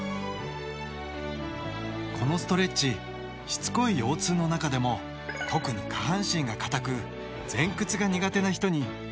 このストレッチしつこい腰痛の中でも特に下半身が硬く前屈が苦手な人に効果的ですよ。